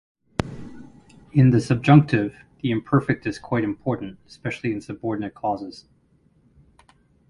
In the subjunctive, the imperfect is quite important, especially in subordinate clauses.